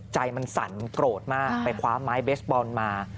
ใจมันสั่นโกรธมากไปคว้าไม้เบสบอลมา